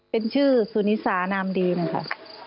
เป็นชื่อสุนิสานามดีนะคะ